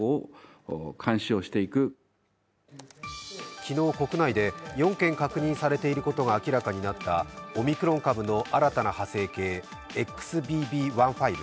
昨日、国内で４件確認されていることが明らかになったオミクロン株の新たな派生形、ＸＢＢ．１．５。